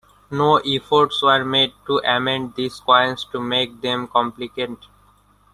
No efforts were made to amend these coins to make them compliant.